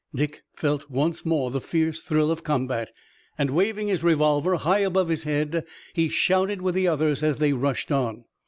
Dick felt once more the fierce thrill of combat, and, waving his revolver high above his head, he shouted with the others as they rushed on.